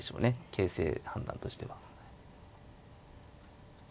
形勢判断としては。